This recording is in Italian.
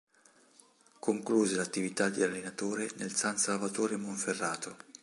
Concluse l'attività di allenatore nel San Salvatore Monferrato.